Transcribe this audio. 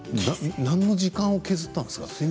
何の時間を削ったんですか？